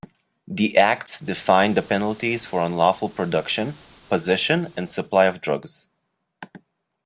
The acts define the penalties for unlawful production, possession and supply of drugs.